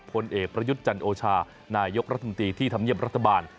พลประยุทธ์จันทร์โอชานายกรัฐหนุนตรีที่ธรรมเยี่ยมรัฐบาล